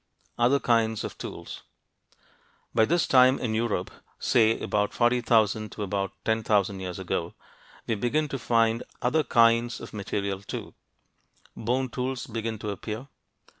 OTHER KINDS OF TOOLS By this time in Europe say from about 40,000 to about 10,000 years ago we begin to find other kinds of material too. Bone tools begin to appear.